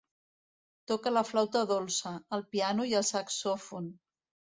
Toca la flauta dolça, el piano i el saxòfon.